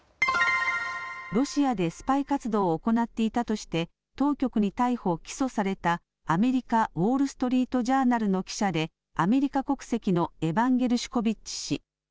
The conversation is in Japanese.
ロシアでスパイ活動を行っていたとして当局に逮捕、起訴されたアメリカウォール・ストリート・ジャーナルの記者でアメリカ国籍のエバン・ゲルシュコビッチ氏。